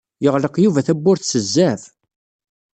Yeɣleq Yuba tawwurt s zzɛaf.